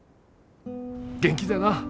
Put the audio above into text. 元気でな。